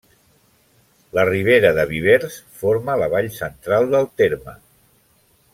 La Ribera de Vivers forma la vall central del terme.